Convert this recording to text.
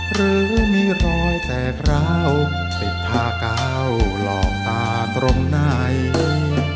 หรือมีรอยแตกราวปิดท่ากาวลองตาตรงใน